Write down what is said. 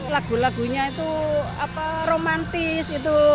lagu lagunya itu romantis